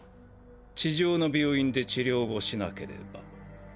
地上の病院で治療をしなければ。